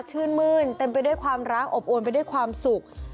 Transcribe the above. ชื่นมื้นเต็มไปด้วยความรักอบอวนไปด้วยความสุข